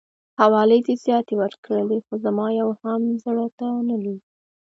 حوالې دي زياتې ورکړلې خو زما يوه هم زړه ته نه لويږي.